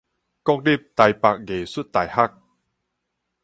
國立臺北藝術大學